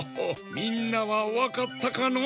みんなはわかったかの？